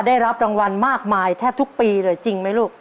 ได้รับรางวัลมากมายแทบทุกปีเลยจริงไหมลูก